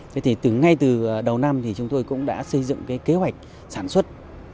thế thì ngay từ đầu năm thì chúng tôi cũng đã xây dựng cái kế hoạch sản xuất